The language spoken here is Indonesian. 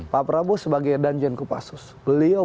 pak prabowo sebagai danjen kopassus beliau